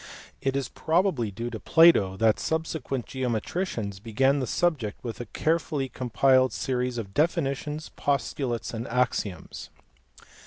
It is probably due to Plato that subsequent geometricians began the subject with a carefully compiled series of definitions, postulates, and axioms.